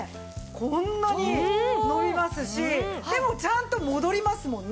こんなに伸びますしでもちゃんと戻りますもんね。